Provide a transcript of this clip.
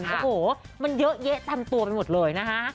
โอ้โหมันเยอะแยะเต็มตัวไปหมดเลยนะคะ